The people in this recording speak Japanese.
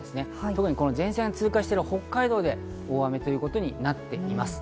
特に前線が通過している北海道で大雨ということになってきます。